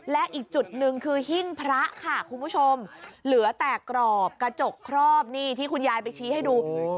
และอีกจุดหนึ่งคือหิ้งพระค่ะคุณผู้ชมเหลือแต่กรอบกระจกครอบนี่ที่คุณยายไปชี้ให้ดู